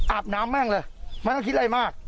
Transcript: อาบน้ำแม่งเลยไม่ต้องคิดอะไรมาก